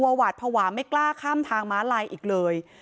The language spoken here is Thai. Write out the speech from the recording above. ประวัติภาวะไม่กล้าข้ามทางมาลัยอีกเลย